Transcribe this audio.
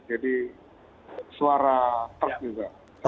jadi suara terk juga